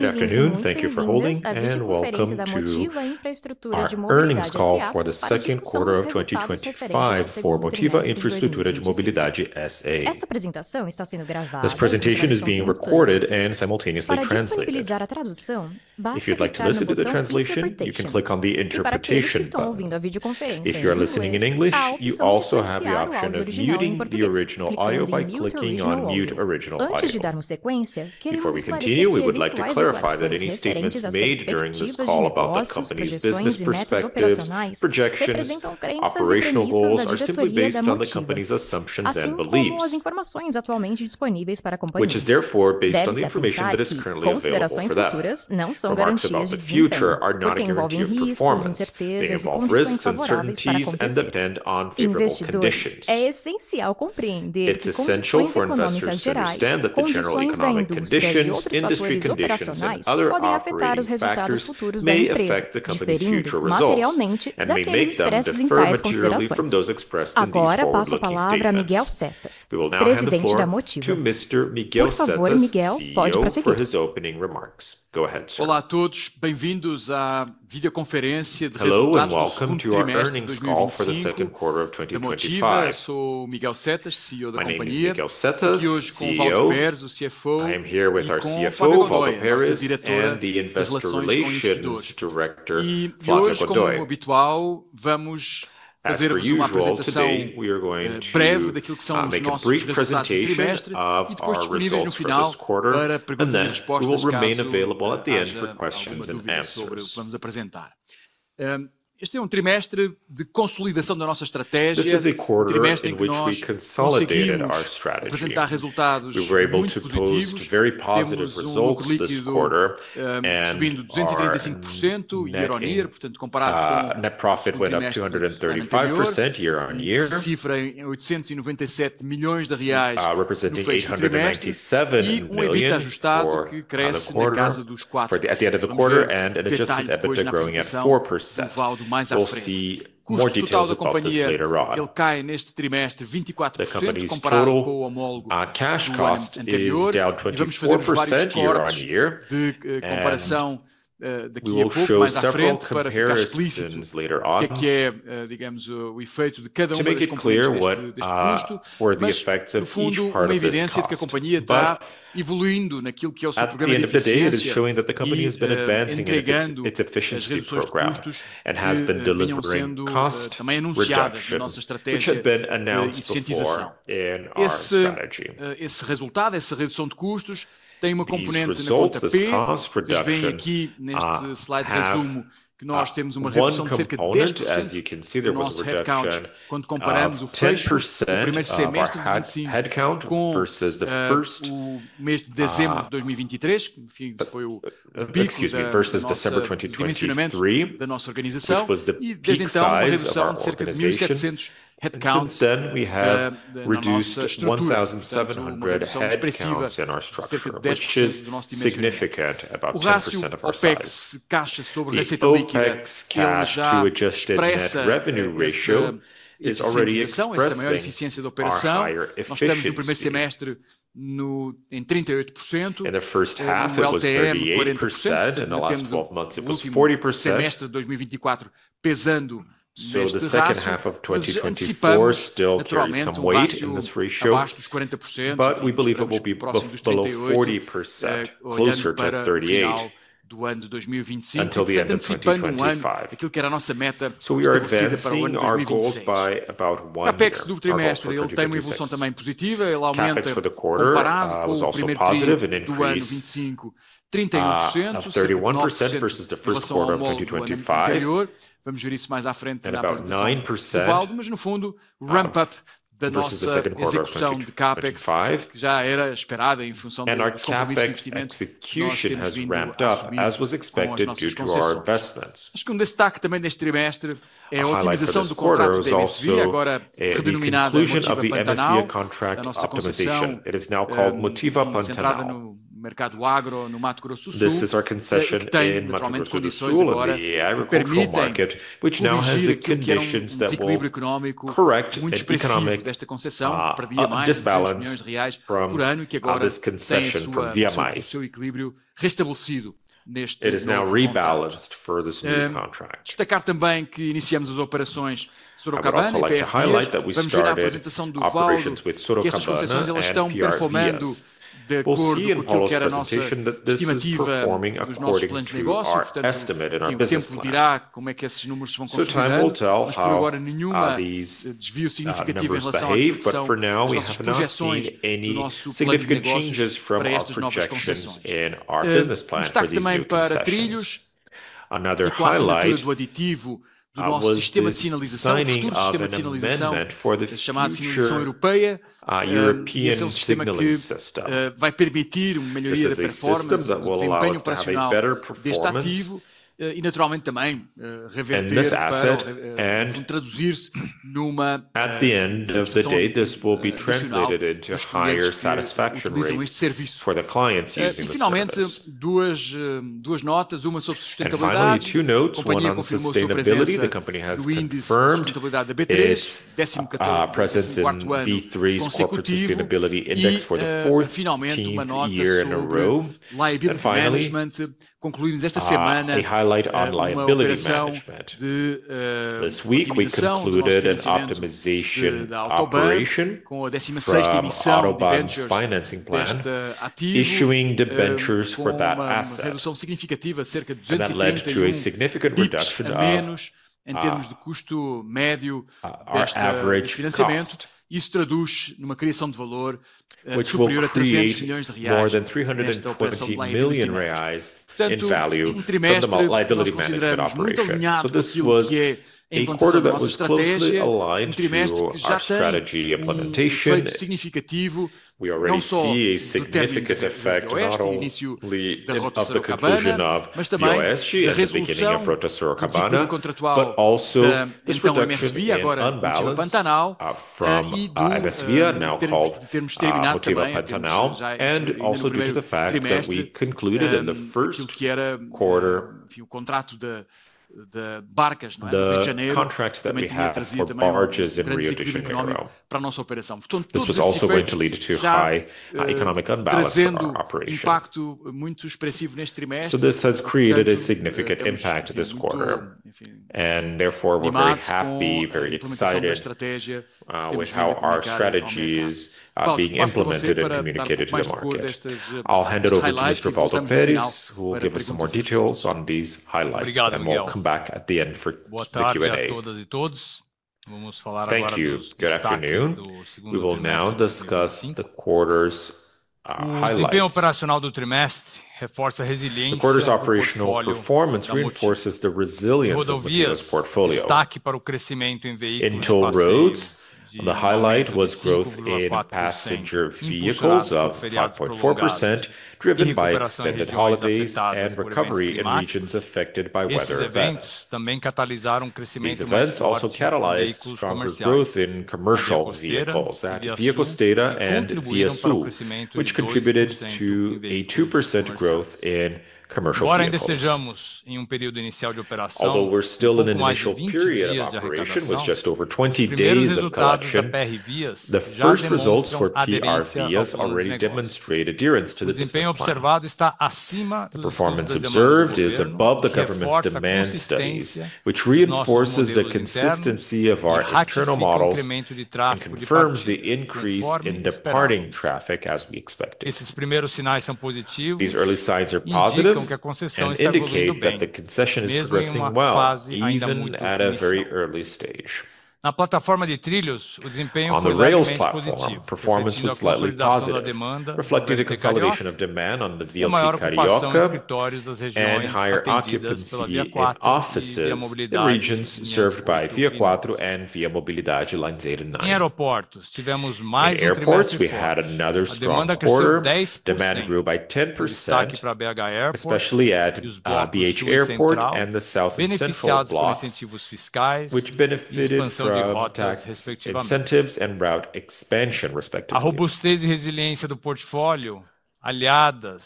Good afternoon, thank you for holding and welcome to the earnings call for the second quarter of 2025 for Motiva Infraestrutura de Mobilidade S.A. This presentation is being recorded and simultaneously translated. If you'd like to listen to the translation, you can click on the interpretation button. If you are listening in English, you also have the option of muting the original audio by clicking on mute original audio. Before we continue, we would like to clarify that any statements made during about the company's business perspectives, projections, operational goals are simply based on the company's assumptions and beliefs, which is therefore based on the information that is currently available for that. The remarks about the future are not a in review of performance. They involve risks, uncertainties, and depend on favorable conditions. It's essential for investors to understand that the general economic conditions, industry conditions, and other factors may affect the company's future results and may make them differ materially from those expressed in this formal statements. We will now go to Mr. Miguel Setas the CEO for his opening remarks. Go ahead, sir. Hello and welcome to our earnings call for the second quarter of 2024. My name is Miguel Setas, CEO. I am here with our CFO Waldo Perez and the Investor Relations Director, Flávia Godoy. As per usual, today we are going to make a brief European signaling system that will allow a better performance in this asset. At the end of the day, this will be translated into a higher satisfaction rate for the clients. Finally, two notes. One on sustainability. The company has confirmed presence in B3's Corporate Sustainability Index for the fourth year in a row. Concluding the highlight on liability management. This week we concluded an optimization operation, AutoBAn financing plan, issuing debentures for that asset that led to a significant reduction of our average, which will create more than 320 million reais in value from the liability management operation. This was a quarter that was closely aligned to strategy implementation. We already see a significant effect not only of the conclusion of MSVia the beginning of Rota Sorocabana, but also unbalanced from MSVia, now called Motiva Pantanal, and also due to the fact that we concluded in the first quarter contract that barges in re. This was also going to lead to high economic unbalance operations. This has created a significant impact this quarter and therefore we're very happy, very excited with how our strategy is being implemented and communicated to the market. I'll hand it over to Mr. Waldo Perez, who will give us some more details on these highlights and we'll come back at the end for the Q&A. Thank you. Good afternoon. We will now discuss the quarter's highlights. The quarter's operational performance reinforces the resilience of this portfolio. In toll roads, the highlight was growth in passenger vehicles of 5.4% driven by extended holidays and recovery in regions affected by weather events. Events also catalyzed stronger growth in commercial vehicles at ViaOeste and ViaSul, which contributed to a 2% growth in commercial vehicles. Although we're still in an initial period of operation with just over 20 days production, the first results for PRVs already demonstrate adherence to the performance observed is above the government's demand studies, which reinforces the consistency of our internal models and confirms the increase in departing traffic. As we expected, these early signs are positive and indicate that the concession is progressing well even at a very early stage. On the Rails platform performance was slightly positive, reflecting the consolidation of demand on the Vila Carioca and higher occupancy in office regions served by Via Pátio and ViaMobilidade Lines 8 and 9. In airports, we had another strong quarter. Demand grew by 10%, especially at BH Airport and the South Block, which benefited from incentives and route expansion respectively.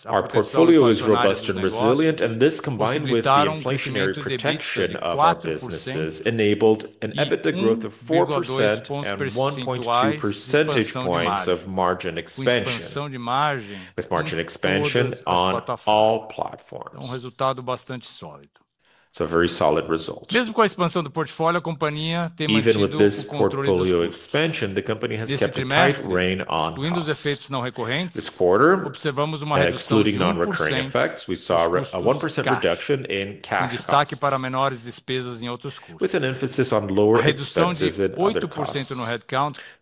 Our portfolio is robust and resilient, and this combined with inflationary protection of our businesses enabled an EBITDA growth of 4%, 1.2 percentage points of margin expansion, with margin expansion on all platforms, so very solid result. Even with this portfolio expansion, the company has kept a tight rein on this quarter. Excluding non-recurring effects, we saw a 1% reduction in cash with an emphasis on lower headcount.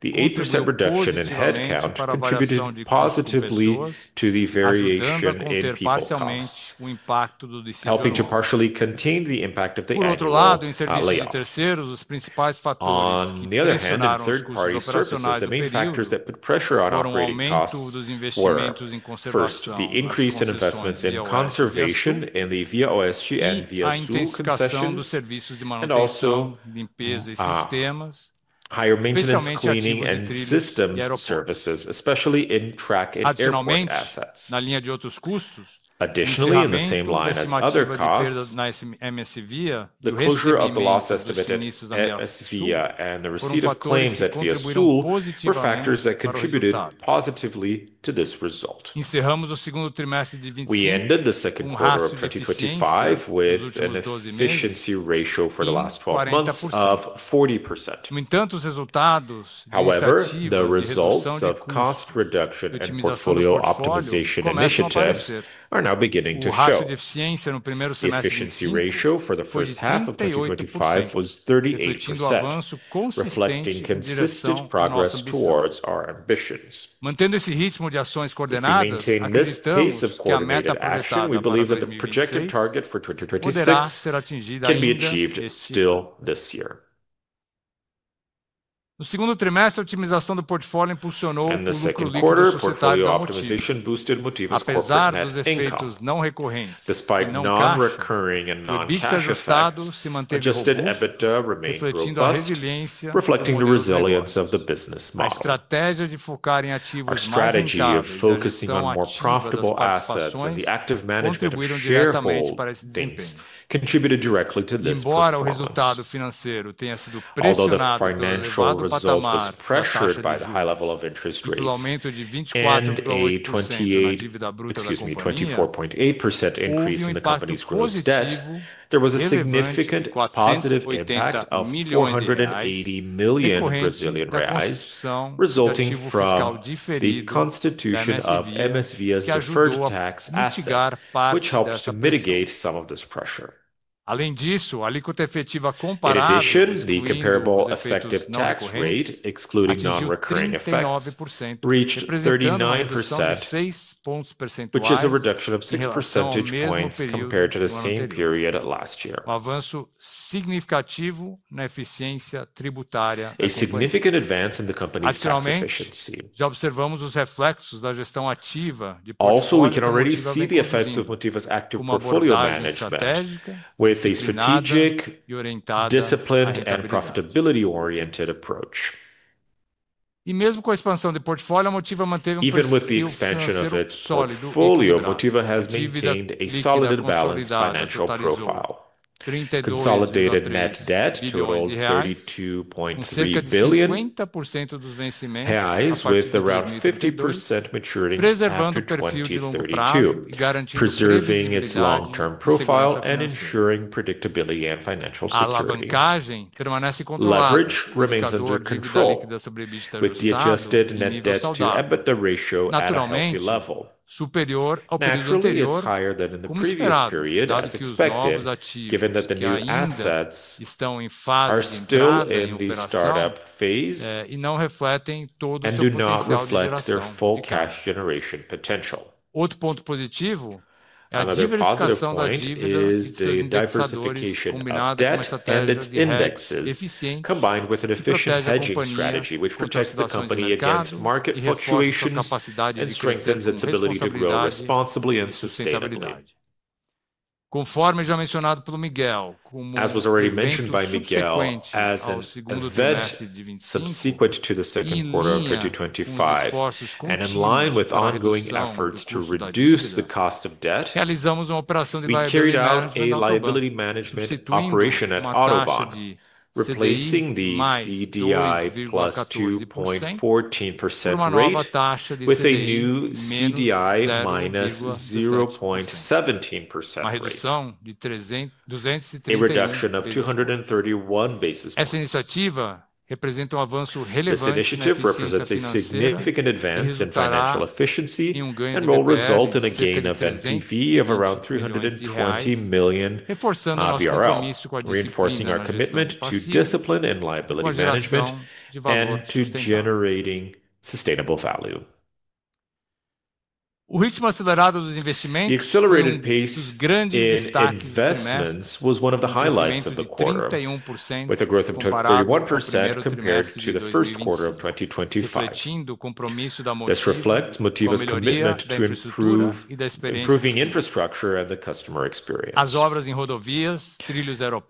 The 8% reduction in headcount contributed positively to the variation in people count, helping to partially contain the impact of the layout. On the other hand, third parties, the main factors that put pressure on operating costs were first the increase in investments in conservation in the ViaOeste and ViaSul and also higher maintenance, cleaning, and systems services, especially in track internal main assets. Additionally, in the same line as other costs, the closure of the loss estimated MSVia and the receipt of claims at ViaSul were factors that contributed positively to this result. We ended the second quarter of 2025 with an efficiency ratio for the last 12 months of 40%. However, the results of cost reduction and portfolio optimization initiatives are now beginning to show. The efficiency ratio for the first half of 2025 was 38%, reflecting consistent progress towards our ambitions. Maintain this pace of coordination, we believe that the projected target for 2026 can be achieved still this year. In the second quarter, portfolio optimization boosted Motiva's profit net income, despite non-recurring tax rate and non-adjusted, EBITDA remains reflecting the resilience of the business model. Our strategy of focusing on more profitable assets and the active management of share contributed directly to this. Although the financial result was pressured by the high level of interest rates and a 24.8% increase in the company's gross debt, there was a significant positive impact of 480 million Brazilian reais resulting from the constitution of MSVia deferred tax assets, which helps to mitigate some of this pressure. In addition, the comparable effective tax rate excluding non-recurring effects reached 39%, which is a reduction of 6 percentage points compared to the same period last year, a significant advance in the company's tax efficiency. Also, we can already see the effects of Motiva's active portfolio management with a strategic, disciplined, and profitability-oriented approach. Even with the expansion of its portfolio, Motiva has maintained a solid, balanced financial profile. Consolidated net debt to 32.3 billion reais highs with around 50% maturity at 2032, preserving its long-term profile and ensuring predictability and financial success. Leverage remains under control with the adjusted net debt to EBITDA ratioat monthly. Naturally, it's higher than in the previous period given that the new assets are still in the startup phase and do not reflect their full cash generation potential. Another positive point is the diversification of debt and its indexes combined with an efficient hedging strategy, which protects the company against market fluctuations and strengthens its ability to grow responsibly and sustainably. As was already mentioned by Miguel Setas, subsequent to the second quarter of 2025 and in line with ongoing efforts to reduce the cost of debt, we carried out a liability management operation at AutoBAn, replacing the CDI +2.14% rate with a new CDI -0.17%, a reduction of 231 basis points. This initiative represents a significant advance in financial efficiency and will result in a gain of NPV of around 320 million BRL, reinforcing our commitment to discipline and liability management and to generating sustainable value. The accelerated pace in investments was one of the highlights of the quarter, with a growth of 31% compared to the first quarter of 2025. This reflects Motiva's commitment to improving infrastructure and the customer experience.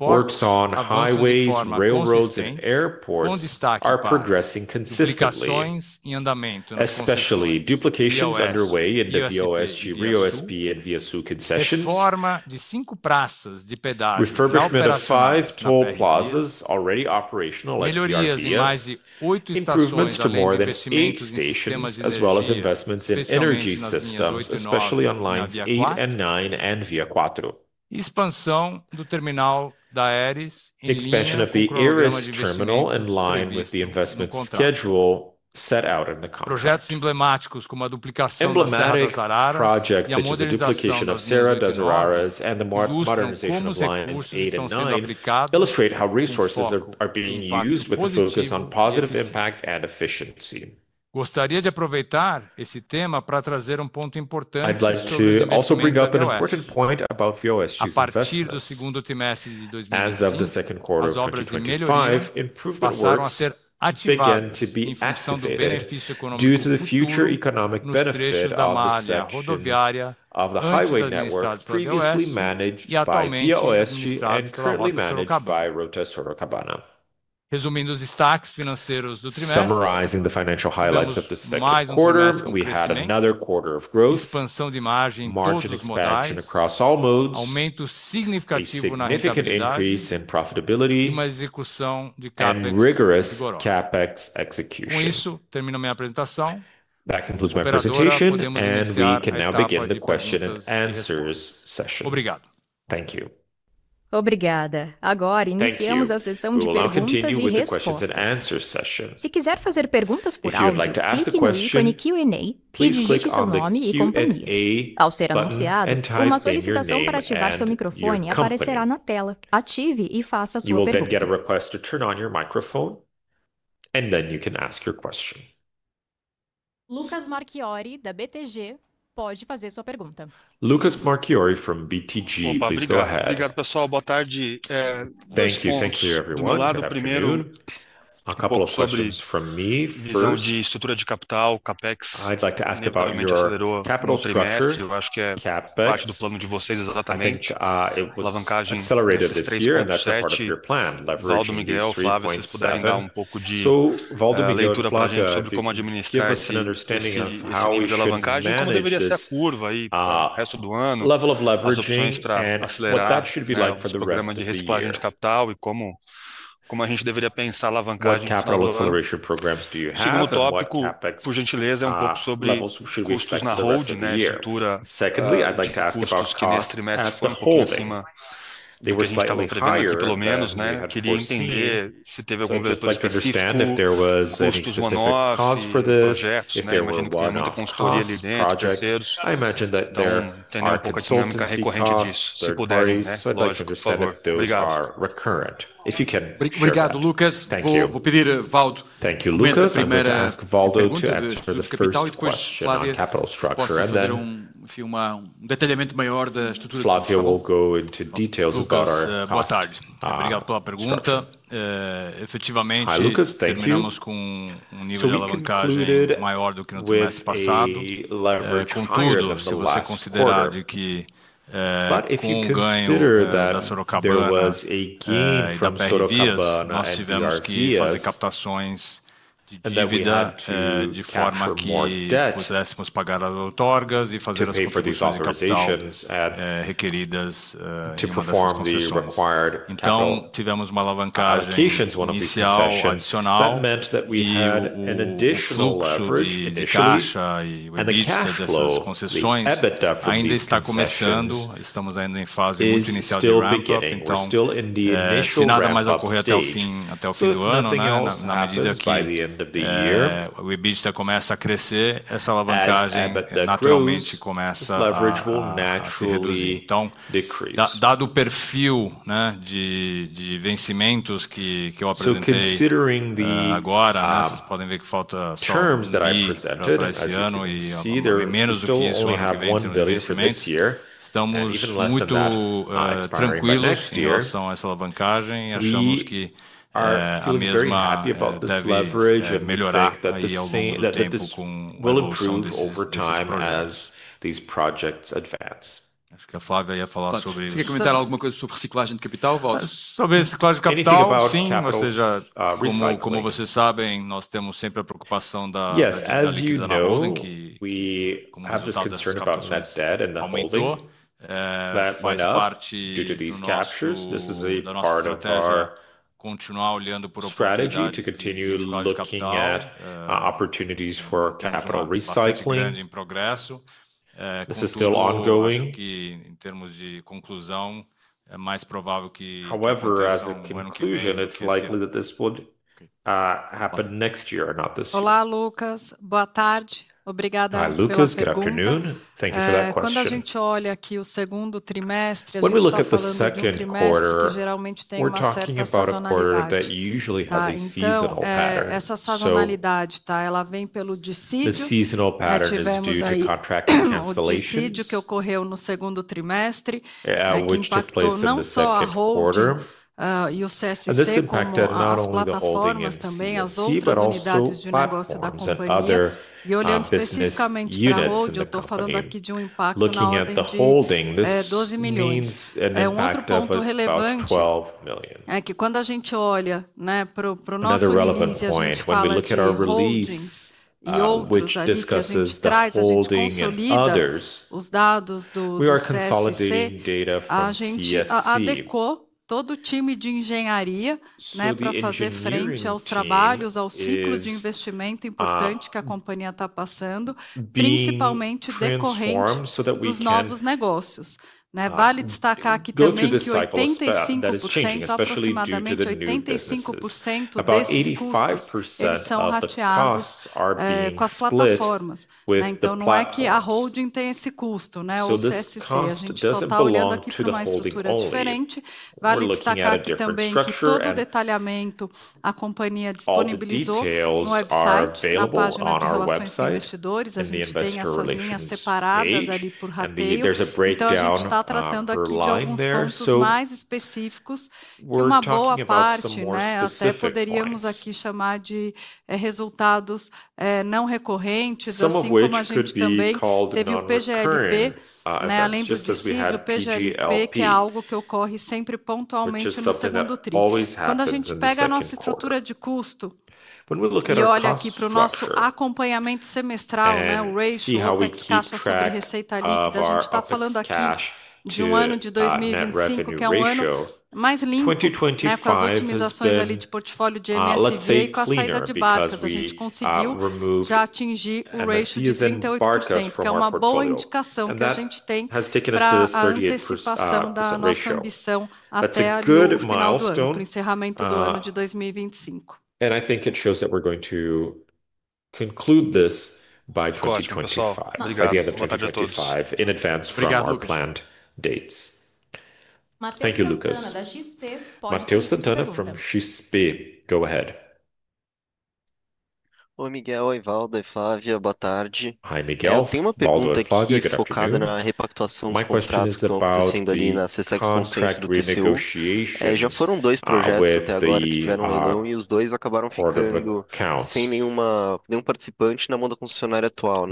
Works on highways, railroads, and airports are progressing consistently in the maintenance, especially duplications underway in the ViaOeste, RioSP, and ViaSul concessions. Refurbishment of five toll plazas already operational at the RTS, improvements to more than eight stations, as well as investments in energy systems, especially on Lines 8 and 9 and ViaQuatro. Expansion of the Iris terminal in line with the investment schedule set out in the comments. Emblematic projects such as the duplication of Serra das Araras and the modernization of Lines 8 and 9 illustrate how resources are being used with a focus on positive impact and efficiency. I'd like to also bring up an important point about ViaOeste. As of the second quarter, in particular, proof of work began to be due to the future economic benefits of the highway network previously managed by ViaOeste and currently managed by Rota Sorocabana. Summarizing the financial highlights of the second quarter, we had another quarter of growth, margin expansion across all modes, significant increase in profitability, rigorous CapEx execution. That concludes my presentation and we can now begin the question and answers session. Thank you. We will now continue with the questions and answers session. If you would like to ask a question, you will then get a request to turn on your microphone and then you can ask your question. Lucas Marquiori from BTG, please go ahead. Thank you. Thank you, everyone. A couple of questions from me. I'd like to ask about capital structure, CapEx. I think it was accelerated this year and that's part of your plan. Give us an understanding of how level of leveraging, what that should be like for the rest of the year? What capital acceleration programs do you have and what CapEx double should we expect the rest of the year? Secondly, I'd like to ask about, they were slightly higher. I'd like to understand if there was any cause for this project. I imagine that they are recurrent if you can. Lucas, thank you. Thank you, Lucas. Capital structure and then Flávia will go into details about our, but if you consider that there was a gain from to pay for these authorizations to perform the required, that meant that we had additional leverage and the cash flow still in the initial, by the end of the year leverage will naturally decrease. So considering the terms that I present, only have BRL 1 billion for next year. Next year, we are feeling very happy about this leverage and the fact that this will improve over time as these projects advance. Yes. As you know, we have this concern about net debt and the holding, that line up due to these captures. This is a part of our strategy to continue looking at opportunities for capital recycling. This is still ongoing. However, as a conclusion, it's likely that this would happen next year, not this year. Lucas, good afternoon. Thank you for that question. When we look at the second quarter, we're talking about a quarter that usually has a seasonal pattern. The seasonal pattern is due to contract cancellations which took place in the second quarter, and this impacted not only the whole holding units. Looking at the holding, this means BRL 12 million. Another relevant point, when we look at our release which discusses the holding others. We are consolidating data so that we go through this cycle that is changing, especially about 85%. This doesn't belong to the holding. We're looking at a different structure. Details are available on our website in the investor relations page. There's a breakdown there. We're talking about some work specific, some could be called non-recurrent just as we had PGLP, something that always happens when we look at net revenue ratio 2024, let's say has taken us to this 38%. That's a good milestone, and I think it shows that we're going to conclude this by 2025, at the end of 2025, in advance from our planned dates. Thank you, Lucas. Matheus Sant'Anna from XP, go ahead. Hi, Miguel. My question is about contract renegotiation.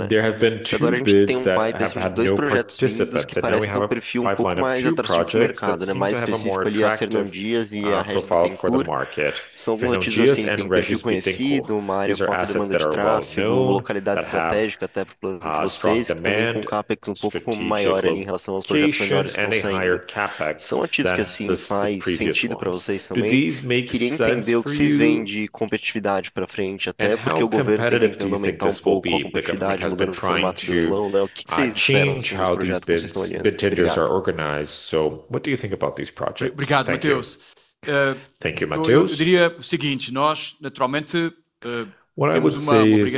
There have been projects profile for the market change how these tenders are organized. What do you think about these projects? Thank you. Thank you Matheus, what I would say is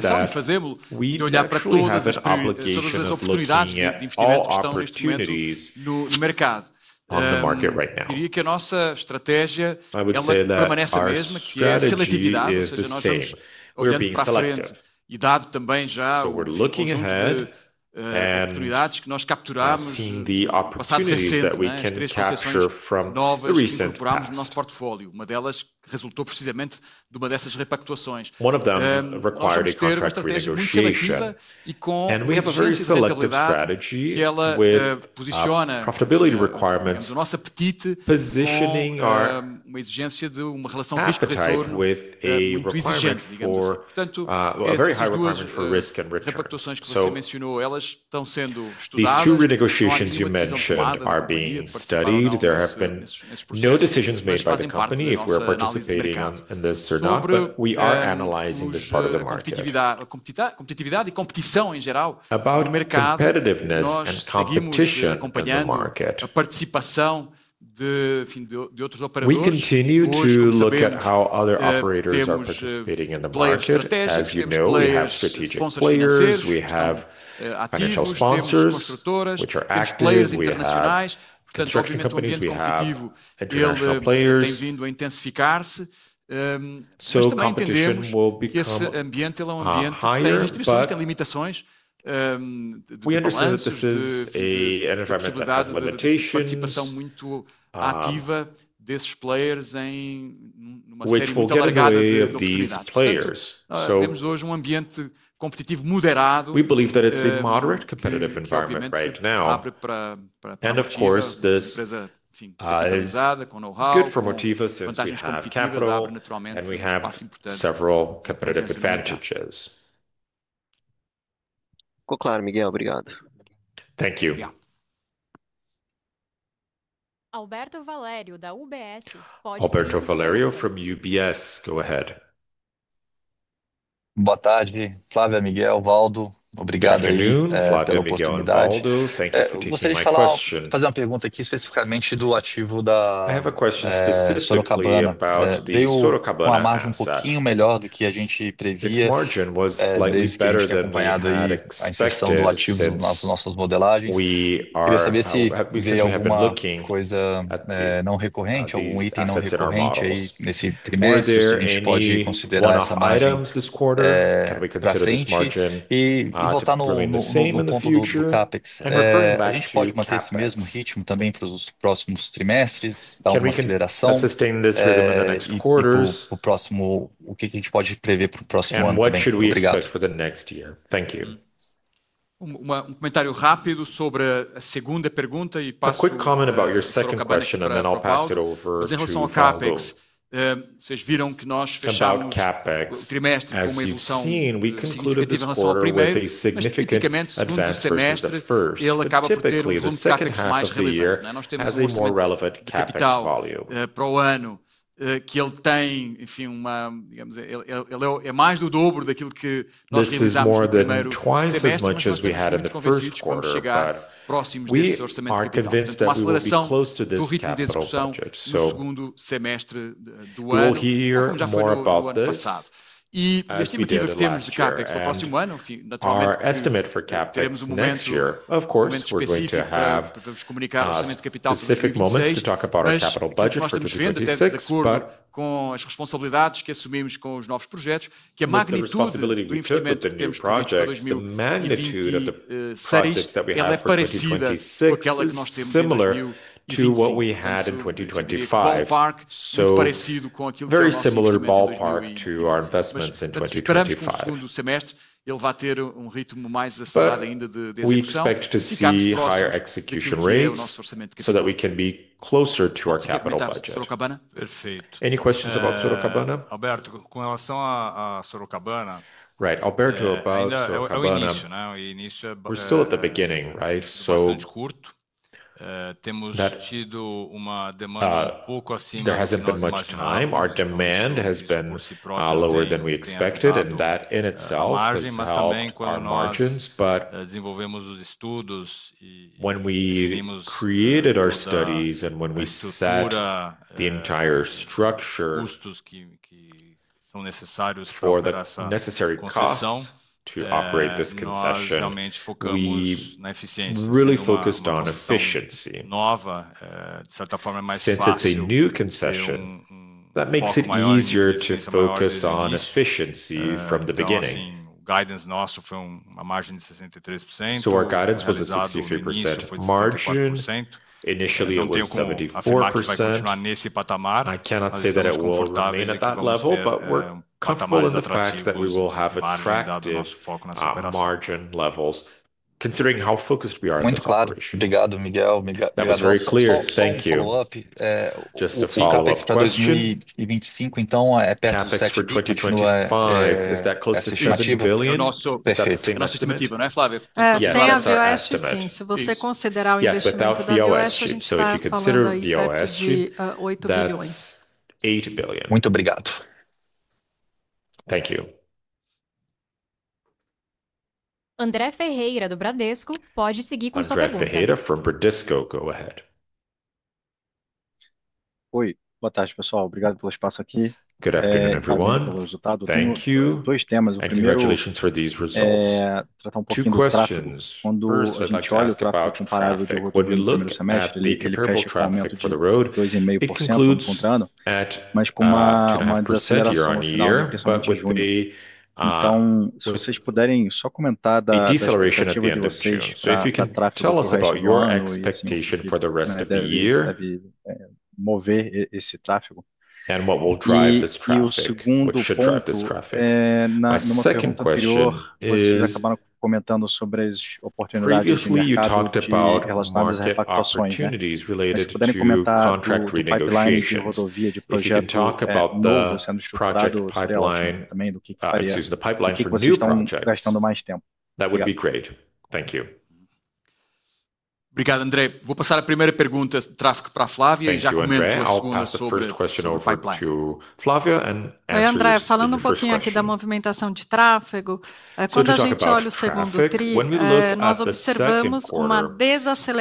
we have an obligation, all opportunities on the market right now. I would say our strategy is the same that we're being selective, so we're looking ahead and seeing the opportunities that we can capture from recent facts. One of them required a contract renegotiation, and we have a very selective strategy with profitability requirements, positioning with a requirement for a very high requirement for risk and return. These two renegotiations you mentioned are being studied. There have been no decisions made by the company if we are participating in this or not, but we are analyzing this part of the market about competitiveness and competition in the market, e continue to look at how other operators are participating in the market. As you know, we have strategic players. We have financial sponsors, which are active construction companies. We have players. We understand that this is a limitation which will get a lot of these players competitive. We believe that it's a moderate competitive environment right now, and of course this is good for Motiva since we have capital and we have several competitive advantages. Thank you. Alberto Valerio from UBS. Go ahead. I have a question. Margin was better than we are looking items this quarter. Cn we sustain this rhythm in the next quarters. What should we expect for the next year? Thank you. A quick comment about your second question and then I'll pass it over. About CapEx, we concluded with a significant advancement at first. Typically, the second half of the year has a more relevant CapEx volume. This is more than twice as much as we had in the first quarter. We are convinced that close to this we'll hear more about this, our estimate for CapEx next year. Of course, we're going to have specific moments to talk about our capital budget for 2026, but the responsibility we took with the new project, the magnitude of the projects that we have, similar to what we had in 2025, so very similar ballpark to our investments in 2025. We expect to see higher execution rates so that we can be closer to our capital budget. Any questions about Rota Sorocabana? Right, Alberto about Rota Sorocabana we're still at the beginning, right? There hasn't been much time. Our demand has been lower than we expected, and that in itself margins, but when we created our studies and when we set the entire structure for the necessary cost to operate this concession, really focused on efficiency. Since it's a new concession, that makes it easier to focus on efficiency from the beginning. So our guidance was 63% margin. Initially, it was 74%. I cannot say that it will remain at that level, but we're comfortable in the fact that we will have attractive margin levels considering how focused we are. That was very clear. Thank you. Is that close to {} billion? Yes, without VOPs. If you consider VOPs, BRL 80 billion. Thank you. André Ferreira from Bradesco go ahead. Good afternoon, everyone. Thank you and congratulations for these results. Two questions. When we look, the comparable traffic for the road excludes at year on year but with a deceleration. If you can tell us about your expectation for the rest of the year and what will drive this traffic, which should drive this traffic? Second question is, previously you talked about opportunities related to contract renegotiations. If you can talk about those pipeline for new projects, that would be great. Thank you. Thank you André Ferreira. I'll pass the first question over to Flávia to answer the first question. When we look at the preliminary figures, we have a very positive. We still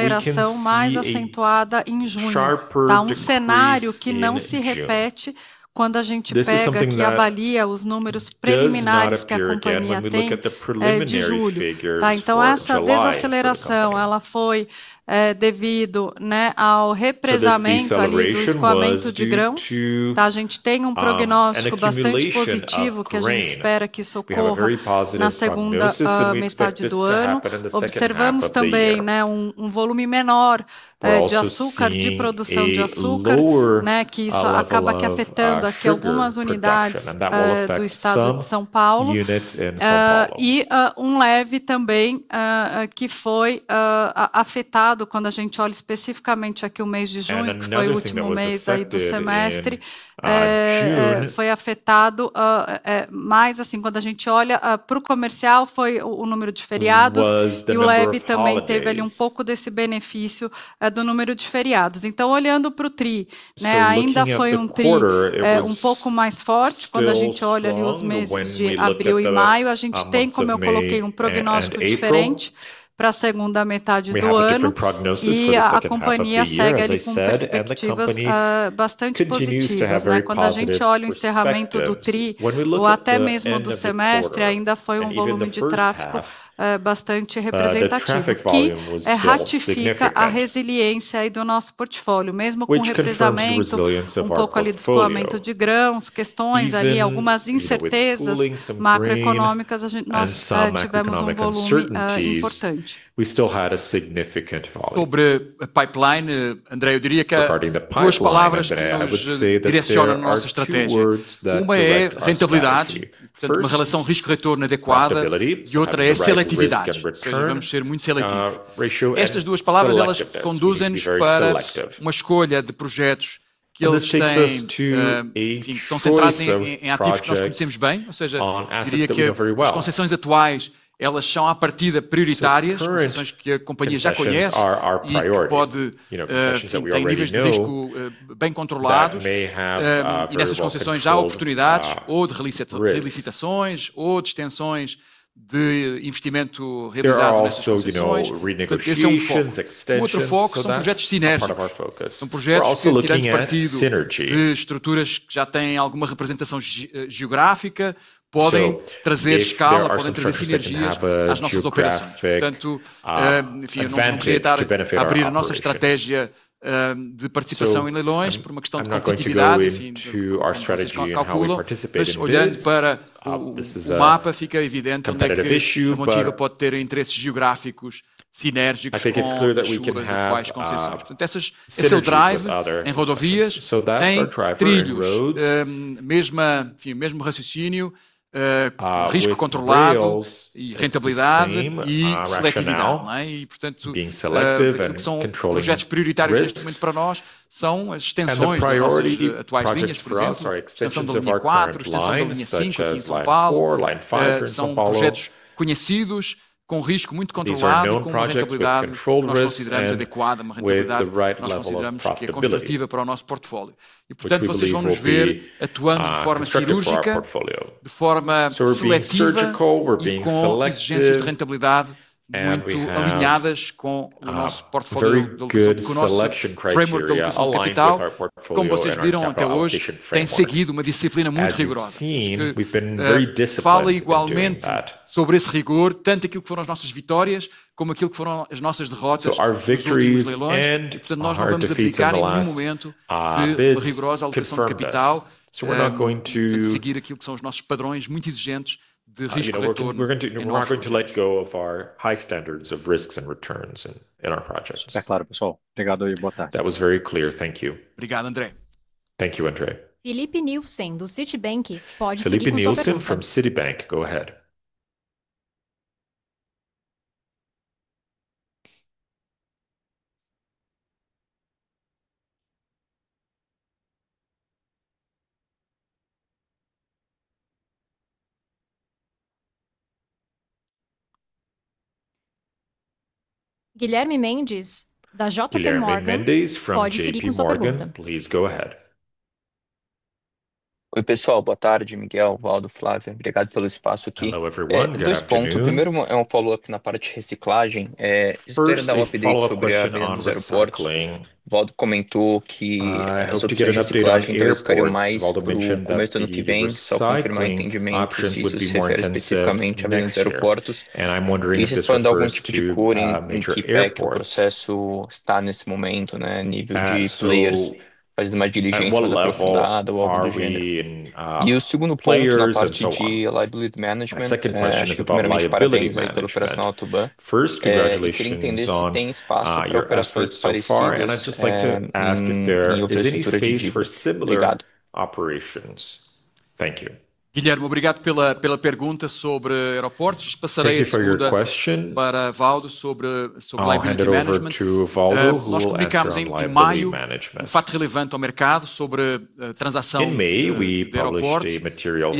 had a significant volume. Our priorities, there are also, you know, renegotiations, extensions, part of our focus. We're also looking at synergy to our strategy, how we participate. This is a negative issue. I think it's clear that we're being selective and controlling follow risk with the right level of profitability. We're being surgical, we're being select, good selection criteria. We've been very disciplined. Our victories confirm. We're not going to let go of our high standards of risks and returns in our projects. That was very clear. Thank you. Thank you. André Ferreira. Filipe Nielsen from Citibank, go ahead. Guilherme Mendes From JPMorgan. Please, go ahead. Hello everyone. I'm wondering momentum and EVG players, what level management. Second question is about liability. First, congratulations and I'd just like to ask if there are operations. Thank you. Thank you for your question. In May we published a material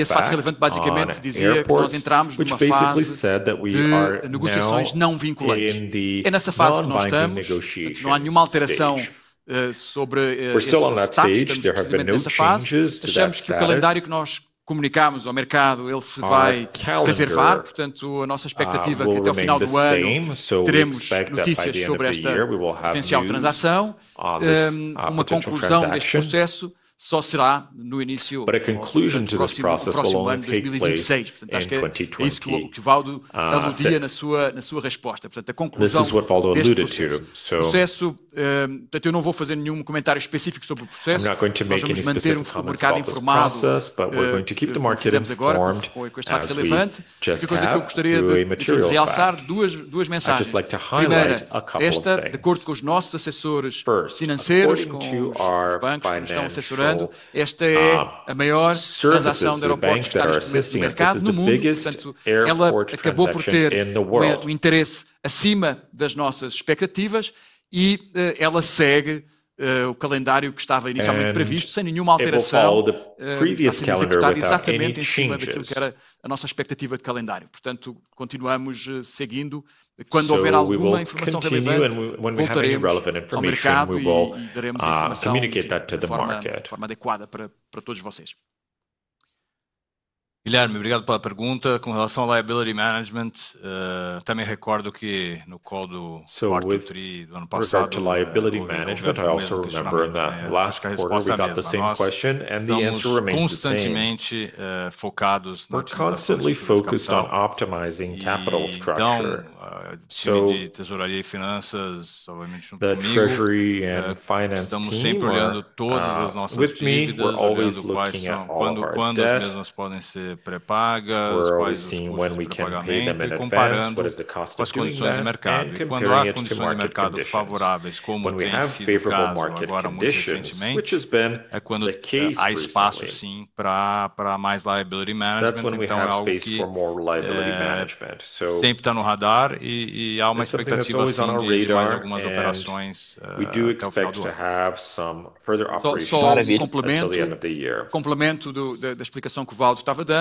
which basically said that we are in the negotiations. We're still on that stage. There have been no changes, no conclusion to this process. This is what Waldo alluded to. I'm not going to make any statements but we're going to keep the market informed. I'd just like to highlight a couple. First to our financing, biggest airport in the world. We will continue and when we have any relevant information we will communicate that to the market. Liability management. With regard to liability management, I also remember in that last quarter we got the same question and the answer remains. We're constantly focused on optimizing capital structure, the treasury and finance. We're always seeing when we can pay them in a balance, what is the cost. When we have favorable market conditions, which has been the case, that's when we have space for more liability management. We do expect to have some further operations until the end of the year. It will be a potential value generation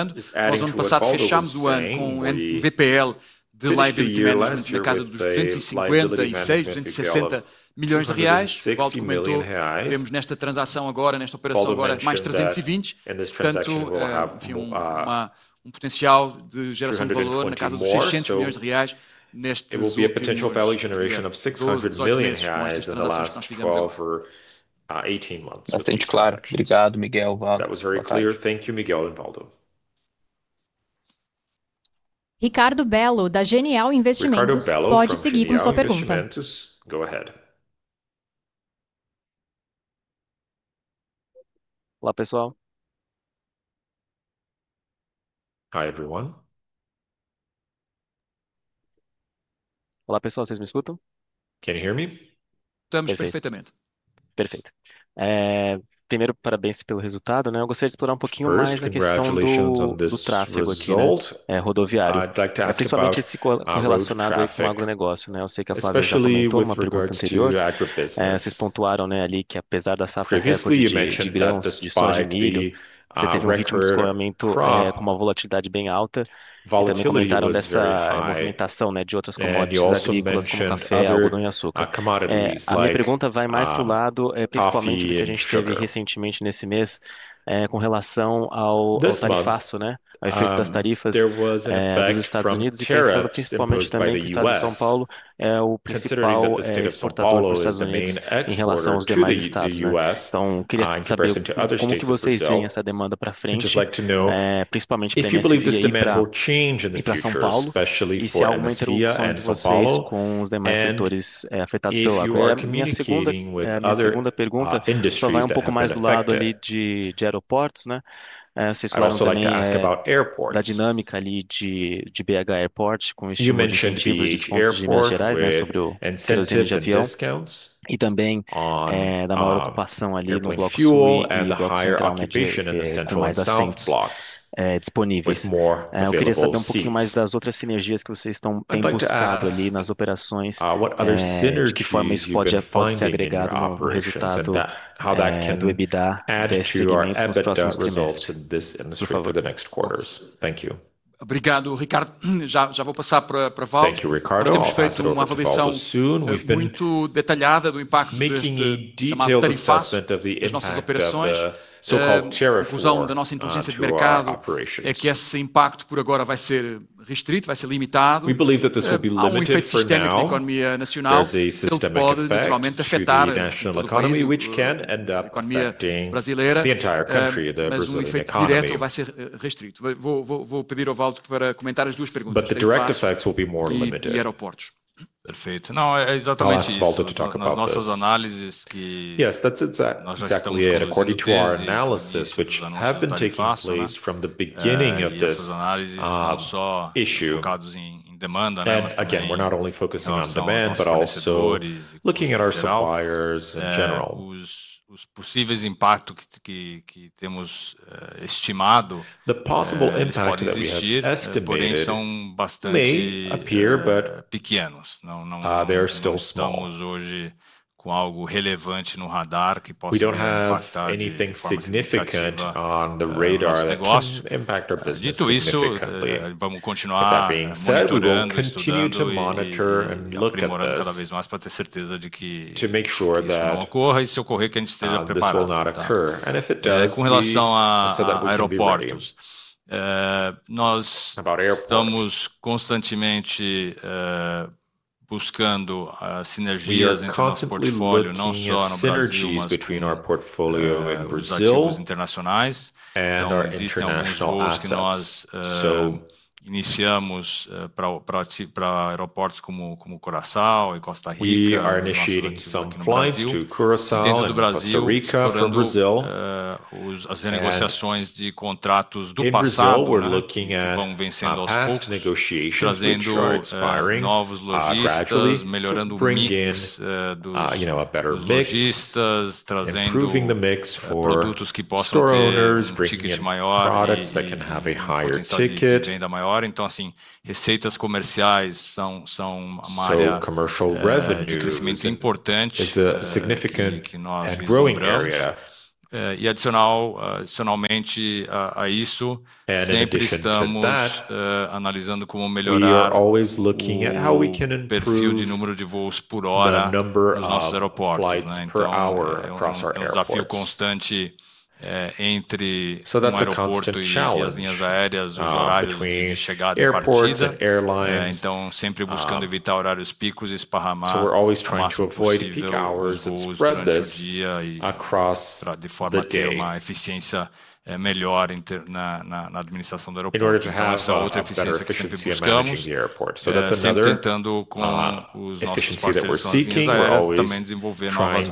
of BRL 600 million in the last 12 to 18 months. That was very clear. Thank you. Miguel and Waldo. Ricardo Bello Genial Investimentos go ahead. Hi everyone. Can you hear me? Perfect. Congratulations on this result. I'd like to ask those traffic, especially with the regard to agro business. You mentioned just like to know if you believe this demand will change in the special especially for Santa Apollo Industries. I also like to ask about airports fuel and higher occupation in the central South Block with more what other synergy how that can add to our results in this industry for the next quarters. Thank you. Thank you, Ricardo. Soon we've been making a detailed assessment of the so-called tariff operations. We believe that this will be limited as a systemic national economy which can end up affecting the entire country, the Brazilian economy. The direct effects will be more limited. I asked Waldo to talk about this. Yes, that's exactly it. According to our analysis, which have been taking place from the beginning of this issue, we're not only focusing on demand, but also looking at our suppliers in general. The possible impact that we estimate may appear, but they are still small. We don't have anything significant on the radar that impact our business. That being said, we will continue to monitor and look at to make sure that this will not occur. If it does it can be, We have synergies between our portfolio and Brazil and our international market. We are initiating some flights to Curacao, Costa Rica from Brazil. We're looking at negotiations firing gradually bring in, you know, a better mix, improving the mix for store owners, bringing products that can have a higher ticket. Commercial revenue is a significant and growing area. We are always looking at how we can better fuel number of flights per hour across our airlines. That's a constant challenge between airports and airlines. We're always trying to avoid peak hours and spread this across the day in order to have better efficiency. That's another efficiency that we're seeking. We're always trying to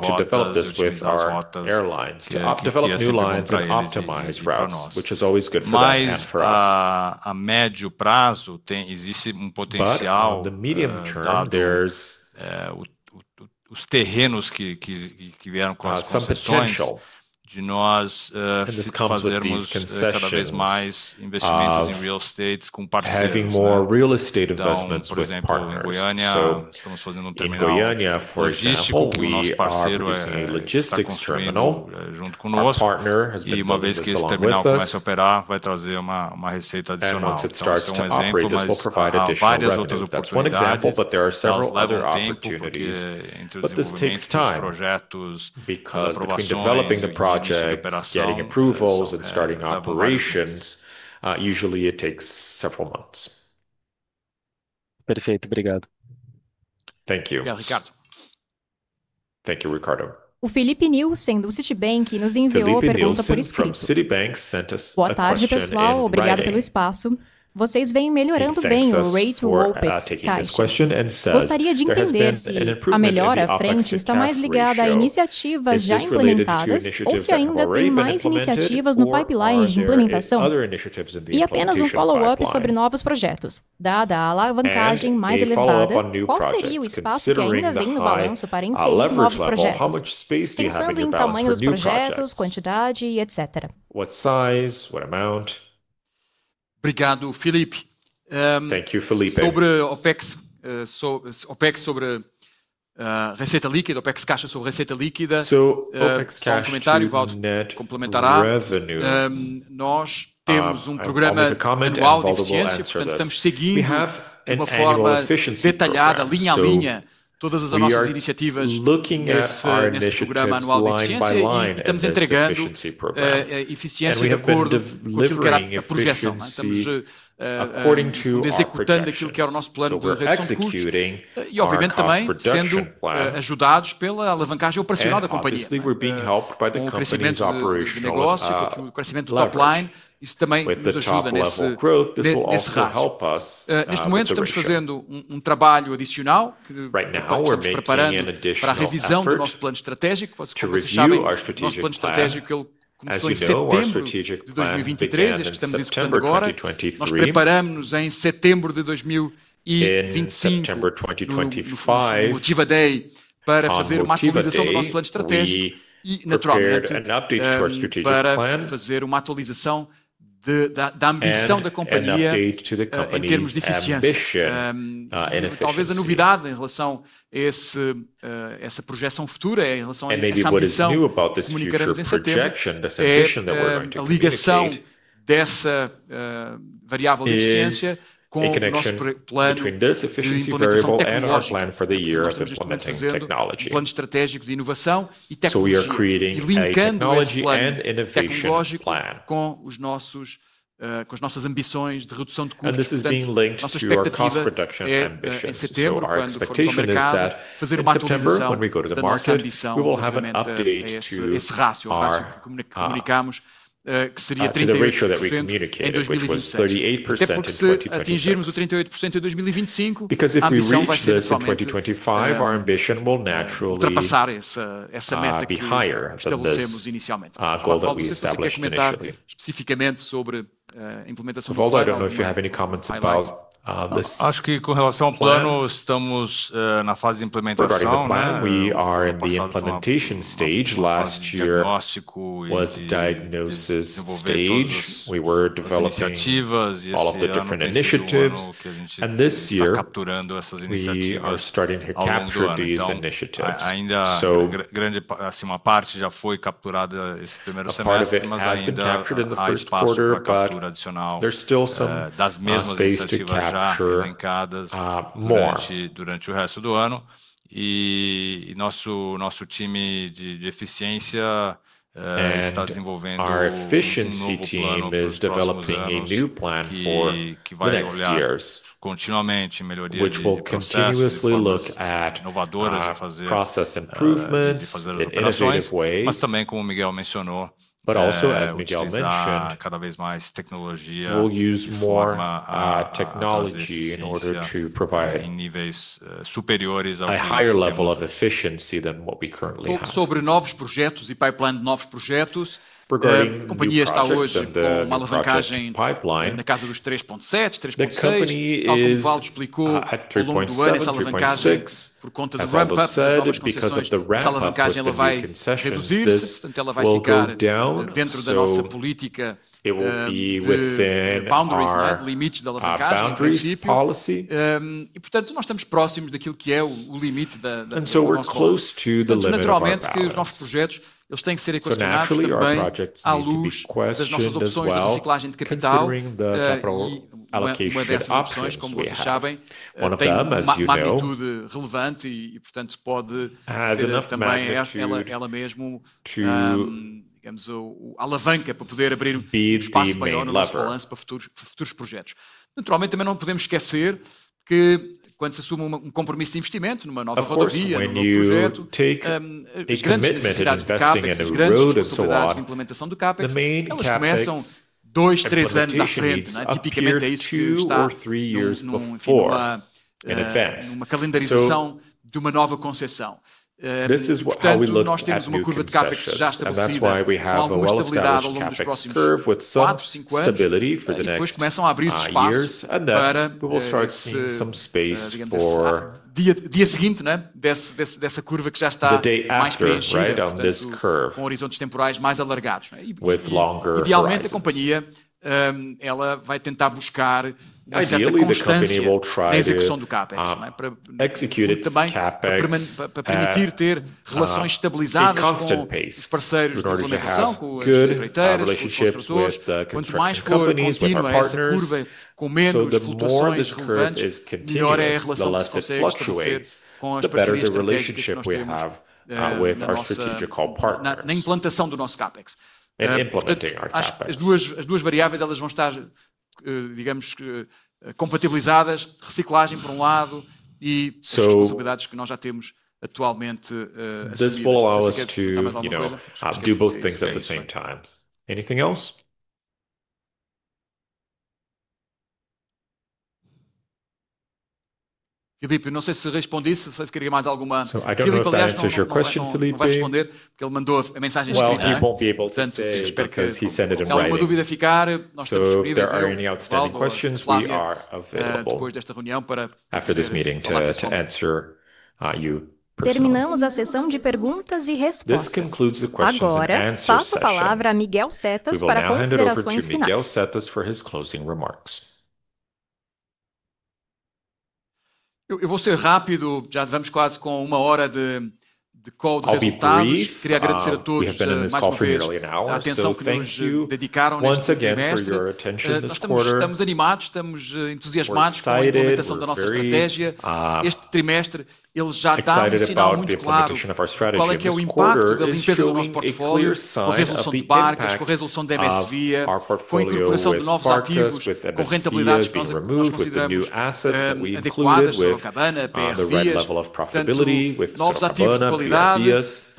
develop this with our airlines to develop new lines and optimize routes, which is always good for us. For us, the medium term there's some potential having more real estate investments. Goiânia, for example, we are a logistics terminal partner has been and once it starts to operate, this will provide additional. That's one example. There are several other opportunities. This takes time because between developing the project, getting approvals and starting operations usually takes several months. Thank you. Thank you. Ricardo. Filipe Nielsen from Citibank sent us related to initiatives, other initiatives in the follow up on new products considering leverage level, how much space do you have, etc. What size, what amount. Tthank you, Felipe. Revenue looking at our initiatives according to executing, helped by the company's operational with the top level growth. This will also help us. Right now we're making an addition to review our strategic September 2023, September 2025, and maybe what is new about this projection, this addition that we're going to connection between this efficiency variable and our plan for the year of implementing technology. We are creating technology and innovation plan and this is being linked to our cost reduction ambitions. Our expectation is that September, when we go to the market, we will have an update to the ratio that we communicated, which was 38% in 2020. If we reach this in 2025, our ambition will naturally. Waldo if you have any comments about this. We are in the implementation stage. Last year was the diagnosis stage. We were developing all of the different initiatives and this year we are starting to capture these initiatives. Part of it has been captured in the first quarter, but there's still some space to new capture more. Our efficiency team is developing a new plan for next years, which will continuously look at process improvements in innovative ways. Also, as Miguel mentioned, we'll use more technology in order to provide a higher level of efficiency than what we currently have. Pipeline the company 6 because of the ramp concession, it will go down, it will be within boundaries policy I don't know if that answers your question. He won't be able to say because he sent it in. If there are any outstanding questions, we are available after this meeting to answer you questions. This concludes the question sections answers. We will now hand it over to Miguel Setas for his closing remarks. We have been in this call for nearly an hour. Once again, for your attention this quarter, our portfolio assets that we've included with the right level of profitability. We expect that for the next quarter, especially, will give us better results. Thank you. I hope you are well. This concludes the company's conference call. If there are any questions, send them to the investor and have a good afternoon.